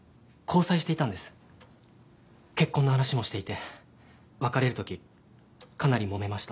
結婚の話もしていて別れるときかなりもめました。